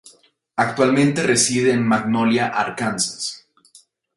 Actualmente reside en Magnolia, Arkansas.